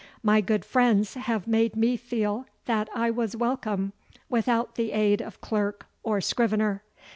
My good friends have made me feel that I was welcome without the aid of clerk or scrivener.